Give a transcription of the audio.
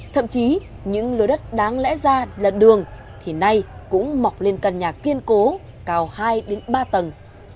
thậm chí những lứa đất đáng lẽ ra là đường thì nay cũng mọc lên căn nhà kiên cố cao hai ba tầng